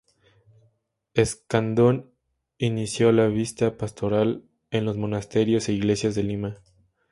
Escandón inició la visita pastoral en los monasterios e iglesias de Lima.